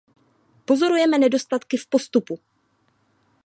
Pozorujeme nedostatky v postupu.